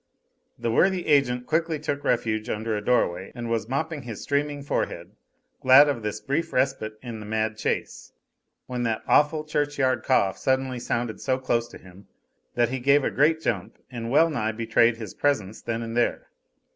The worthy agent quickly took refuge under a doorway and was mopping his streaming forehead, glad of this brief respite in the mad chase, when that awful churchyard cough suddenly sounded so close to him that he gave a great jump and well nigh betrayed his presence then and there.